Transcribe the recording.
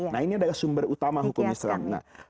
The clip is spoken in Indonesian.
nah ini adalah sumber utama hukum islam